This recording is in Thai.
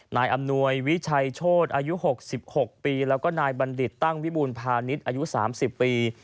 นายอำนวยวิชัยโชธอายุ๖๖ปีแล้วก็นายบัณฑิตตั้งวิบูรพาณิชย์อายุ๓๐ปี